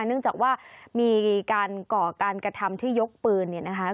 เนื่องจากว่ามีการก่อการกระทำที่ยกปืนเนี่ยนะคะ